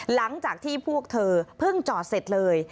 หลังจากที่พวกเธอเพิ่งจอดเสร็จเลย